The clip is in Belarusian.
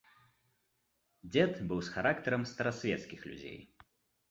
Дзед быў з характарам старасвецкіх людзей.